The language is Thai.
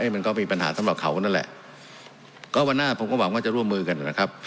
มันก็มีปัญหาสำหรับเขานั่นแหละก็วันหน้าผมก็หวังว่าจะร่วมมือกันนะครับ